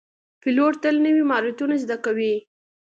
پیلوټ تل نوي مهارتونه زده کوي.